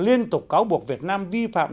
liên tục cáo buộc việt nam vi phạm